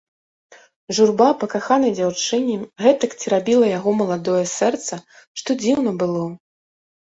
Журба па каханай дзяўчыне гэтак церабіла яго маладое сэрца, што дзіўна было.